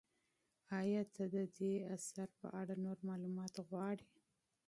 ایا ته د دې اثر په اړه نور معلومات غواړې؟